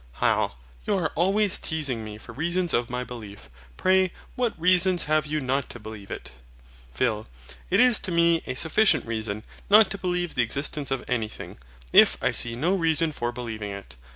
HYL. You are always teasing me for reasons of my belief. Pray what reasons have you not to believe it? PHIL. It is to me a sufficient reason not to believe the existence of anything, if I see no reason for believing it.